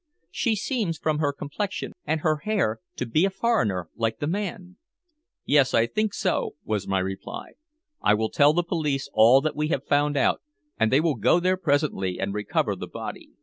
She seems, from her complexion and her hair, to be a foreigner, like the man." "Yes, I think so," was my reply. "I will tell the police all that we have found out, and they will go there presently and recover the body."